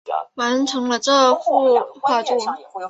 完成了这幅画作